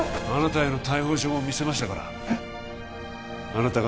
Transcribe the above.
あなたへの逮捕状も見せましたからえっ？